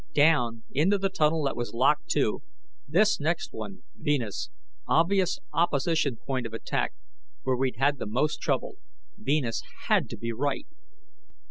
Down, into the tunnel that was lock two. This next one ... Venus, obvious opposition point of attack, where we'd had the most trouble: Venus had to be right.